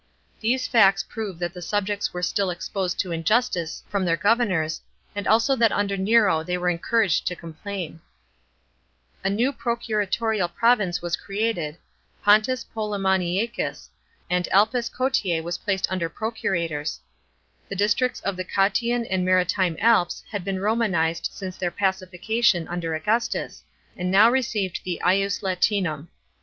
These facts prove that the subjects were still exposed to injustice from their governors, and also that under Nero they were encouraged to complain. A new procuratorial province was created, Pontus Polemoniacus ;* See above, & 12. 300 THE PRINCIPATE OF NERO. CHAP. XVH. and Alpes Cottix was placed under procurators. The districts of the Cottian and the Maritime Alps had been Romanised since their pacification under Augustus, and now received the ius Latinum.